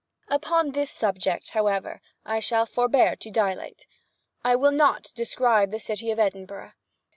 Upon this subject, however, I shall forbear to dilate. I will not describe the city of Edinburgh.